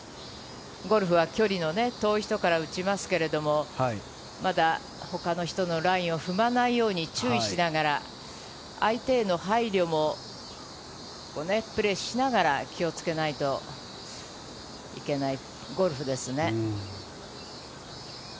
ゴルフは距離の遠い人から打ちますけれど、まだ他の人のラインを踏まないように注意しながら、相手への配慮もプレーしながら気をつけないといけないゴルフですね。